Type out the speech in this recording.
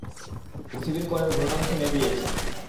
পৃথিবীর কোরের ঘূর্ণন থেমে গিয়েছে।